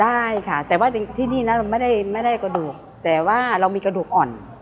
ได้ค่ะแต่ว่าที่นี่นะเราไม่ได้กระดูกแต่ว่าเรามีกระดูกอ่อน